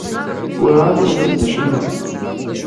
Werɛad ur ẓrint acemma.